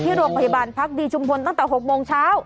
ที่โรงพยาบาลพักดีชุมพลตั้งแต่๖โมงเช้า